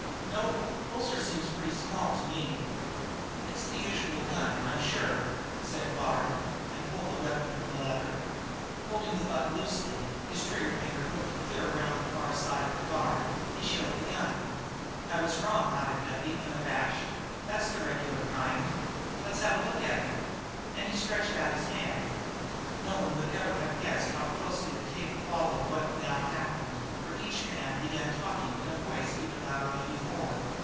"Nope. Holster seems pretty small to me." "It's the usual gun, I'm sure," said Bard, and pulled the weapon from the leather. Holding the butt loosely, his trigger finger hooked clear around the far side of the guard, he showed the gun. "I was wrong," nodded Duffy unabashed, "that's the regular kind. Let's have a look at it." And he stretched out his hand. No one would ever have guessed how closely the table followed what now happened, for each man began talking in a voice even louder than before.